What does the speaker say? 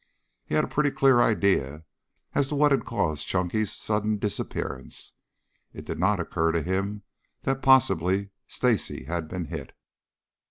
He had a pretty clear idea as to what had caused Chunky's sudden disappearance. It did not occur to him that possibly Stacy had been hit.